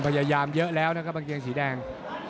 พยายามเยอะแล้วนะครับกางเกงสีแดง